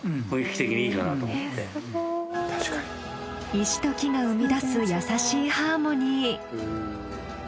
石と木が生み出すやさしいハーモニー。